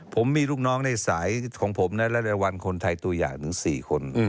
ผมมีลูกน้องในสายของผมและรายวันคนไทยตัวอย่างถึง๔คน